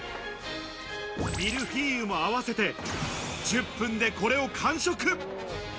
ミルフィーユも合わせて１０分でこれを完食。